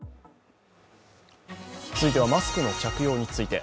続いてはマスクの着用について。